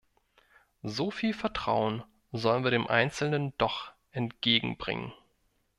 Soviel Vertrauen sollen wir dem Einzelnen doch entgegenbringen.